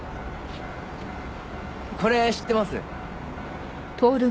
これ知ってます？